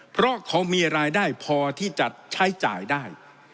เพราะเขามีรายได้พอที่จะใช้จ่ายได้